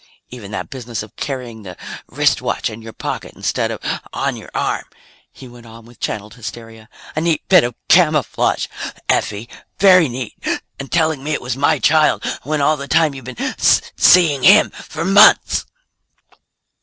"Even that business of carrying the wristwatch in your pocket instead of on your arm," he went on with channeled hysteria. "A neat bit of camouflage, Effie. Very neat. And telling me it was my child, when all the while you've been seeing him for months!"